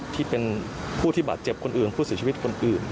ที่เป็นผู้ที่บาดเจ็บคนอื่นผู้เสียชีวิตคนอื่น